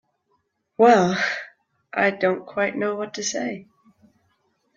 Well—I don't quite know what to say.